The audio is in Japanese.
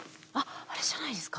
あれじゃないですか？